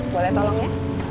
boleh tolong ya